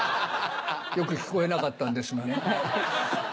よく聞こえなかったんですがね。